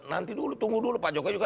nanti dulu tunggu dulu pak jokowi juga